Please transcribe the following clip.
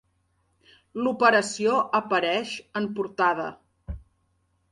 L'operació apareix en portada.